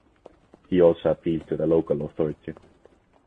He also appealed to the local authority.